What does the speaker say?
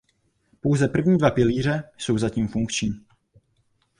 Pouze první dva pilíře jsou zatím funkční.